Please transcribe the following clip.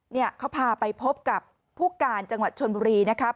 เนี่ยเขาพาไปพบกับผู้การจังหวัดชนบุรีนะครับ